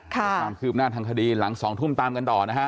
เดี๋ยวความคืบหน้าทางคดีหลัง๒ทุ่มตามกันต่อนะฮะ